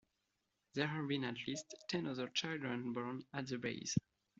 There have been at least ten other children born at the base.